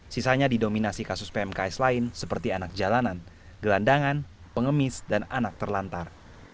sisanya didominasi kasus pmks lain seperti anak jalanan gelandangan pengemis dan anak terlantar